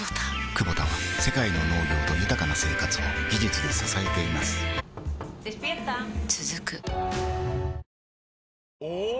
クボタは世界の農業と豊かな生活を技術で支えています起きて。